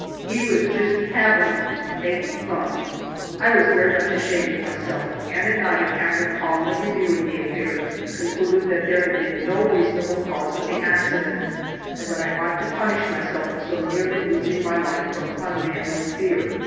He was juist haverin (making fun)." I was very much ashamed of myself, and at night, after calmly reviewing the affair, concluded that there had been no reasonable cause for the accident, and that I ought to punish myself for so nearly losing my life from unmanly fear.